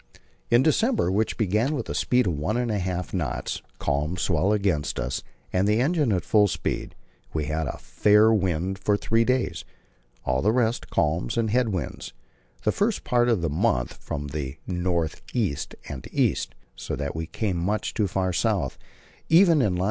In December, which began with a speed of one and a half knots, calm, swell against us, and the engine at full speed, we had a fair wind for three days, all the rest calms and head winds; the first part of the month from the north east and east, so that we came much too far south; even in long.